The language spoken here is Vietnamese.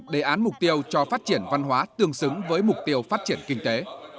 đề án mục tiêu cho phát triển văn hóa tương xứng với mục tiêu phát triển kinh tế